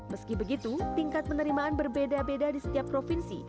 meski begitu tingkat penerimaan berbeda beda di setiap provinsi